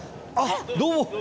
あっどうも。